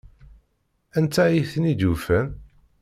Anta ay ten-id-yufan?